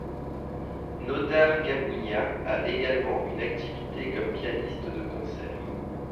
Nodar Gabunia a également une activité comme pianiste de concert.